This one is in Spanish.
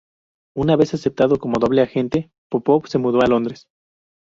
Una vez aceptado como doble agente, Popov se mudó a Londres.